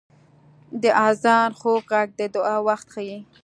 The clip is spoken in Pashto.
• د آذان خوږ ږغ د دعا وخت ښيي.